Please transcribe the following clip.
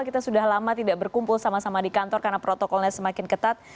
kita sudah lama tidak berkumpul sama sama di kantor karena protokolnya semakin ketat